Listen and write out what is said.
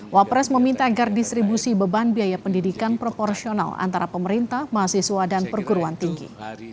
wapres meminta agar distribusi beban biaya pendidikan proporsional antara pemerintah mahasiswa dan perguruan tinggi